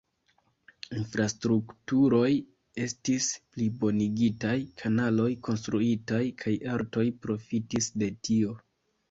Infrastrukturoj estis plibonigitaj, kanaloj konstruitaj kaj artoj profitis de tio.